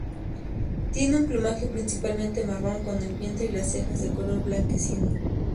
Tiene un plumaje principalmente marrón con el vientre y las cejas de color blanquecino.